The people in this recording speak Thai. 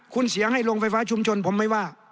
คุณเสียงให้โรงไฟฟ้าชุมชนผมไม่ว่า